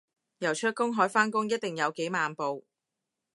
游出公海返工一定有幾萬步